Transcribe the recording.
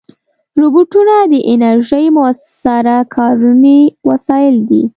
روبوټونه د انرژۍ مؤثره کارونې وسایل دي.